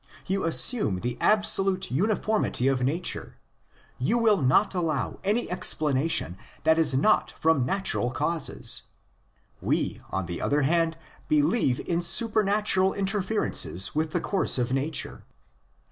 You assume the absolute uniformity of nature. You will not allow any explanation that is not from natural causes. We, on the other hand, believe in super natural interferences with the course of nature.